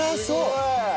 そう。